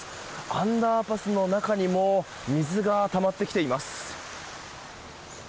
アンダーパスの中にも水がたまってきています。